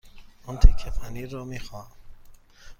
آن تکه پنیر را می خواهم.